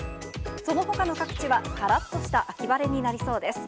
そのほかの各地は、からっとした秋晴れになりそうです。